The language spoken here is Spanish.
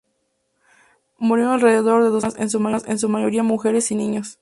Murieron alrededor de dos mil personas, en su mayoría mujeres y niños.